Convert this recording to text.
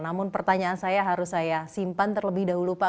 namun pertanyaan saya harus saya simpan terlebih dahulu pak